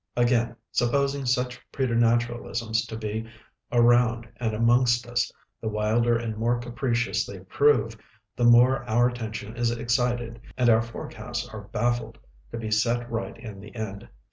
Again, supposing such preternaturalisms to be around and amongst us, the wilder and more capricious they prove, the more our attention is excited and our forecasts are baffled, to be set right in the end.